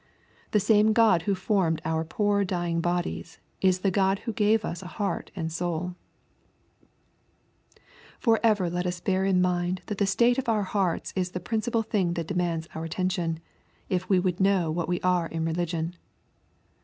The same God who formed our poor dying bodies, is the God who gave us a heart and souL For ever let us bear in mind that the state of our hearts is the principal thing that demands our attention, if we would know what we are in religion.